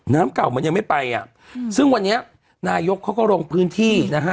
เก่ามันยังไม่ไปอ่ะอืมซึ่งวันนี้นายกเขาก็ลงพื้นที่นะฮะ